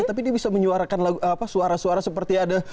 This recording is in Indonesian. tapi dia bisa menyuarakan suara suara seperti ada